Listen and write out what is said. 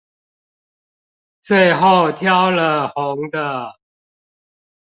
最後挑了紅的